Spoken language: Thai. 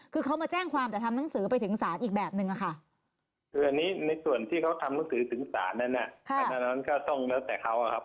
ประหลาดก็ต้องเลยตั้งแต่เขา